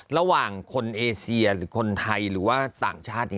ระหว่างคนเอเซียหรือคนไทยหรือว่าต่างชาติ